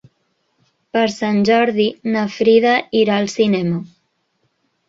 Per Sant Jordi na Frida irà al cinema.